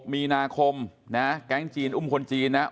๑๖มีนาคมนะแก๊งจีนอุ้มคนจีนนะ